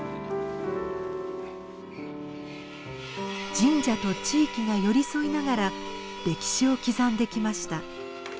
神社と地域が寄り添いながら歴史を刻んできました。